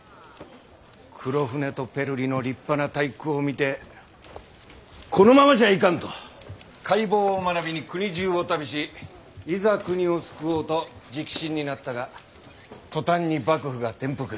黒船とペルリの立派な体躯を見てこのままじゃいかんと海防を学びに国中を旅しいざ国を救おうと直臣になったが途端に幕府が転覆。